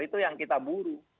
itu yang kita buru